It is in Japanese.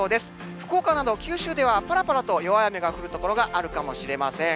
福岡など九州ではぱらぱらと弱い雨が降る所があるかもしれません。